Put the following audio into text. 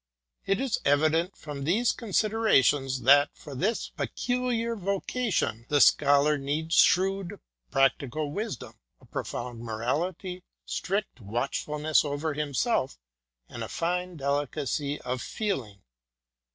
It is evident from these considerations, that, for his pe culiar vocation, the Scholar needs shrewd practical wisdom, a profound morality, strict watchfulness over himself, and a fine delicacy of feeling.